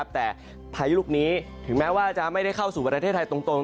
แต่พายุลูกนี้ถึงแม้ว่าจะไม่ได้เข้าสู่ประเทศไทยตรง